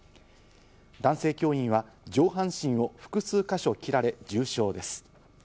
男性教員は上半身を複数か所、切られ重傷です。